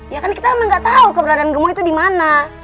ya kan kita emang gak tau keberadaan kemoy itu dimana